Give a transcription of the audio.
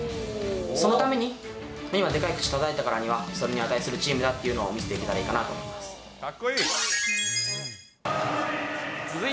そのために今、でかい口たたいたからには、それに値するチームだというのを見せていけたらいいかなと思いまかっこいい。